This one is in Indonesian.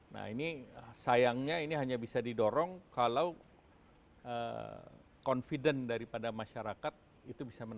nah ini sayangnya ini hanya bisa didorong kalau confident daripada masyarakat itu bisa menarik